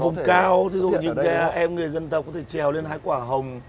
ừ vùng cao thí dụ như những cái em người dân tộc có thể trèo lên hái quả hồng